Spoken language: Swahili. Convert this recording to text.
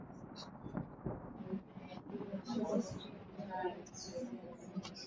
Tuchakuleni shiye bote ku saidia ba mama ku mashamba